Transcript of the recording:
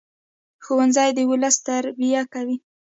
ښوونځی د ولس تربیه کوي